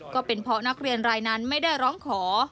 ก็เป็นเพราะนักเรียนรายนั้นไม่ได้ร้องขอ